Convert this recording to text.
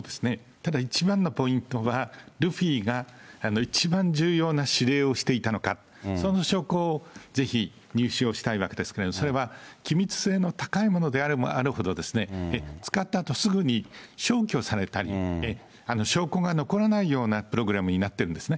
ただ一番のポイントは、ルフィが一番重要な指令をしていたのか、その証拠をぜひ、入手をしたいわけですけれども、それは機密性の高いものであればあるほど、使ったあとすぐに消去されたり、証拠が残らないようなプログラムになってるんですね。